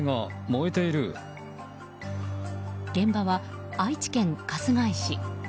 現場は愛知県春日井市。